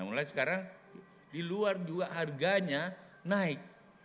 mulai sekarang di luar dua harganya naik